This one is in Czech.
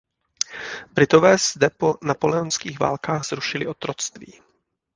Britové zde po napoleonských válkách zrušili otroctví.